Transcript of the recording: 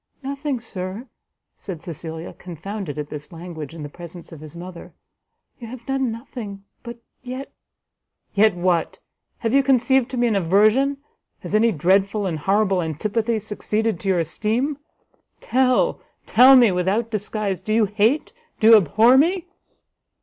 "Nothing, Sir," said Cecilia, confounded at this language in the presence of his mother, "you have done nothing, but yet " "Yet what? have you conceived to me an aversion? has any dreadful and horrible antipathy succeeded to your esteem? tell, tell me without disguise, do you hate, do you abhor me?"